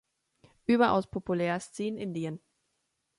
Überaus populär ist sie in Indien.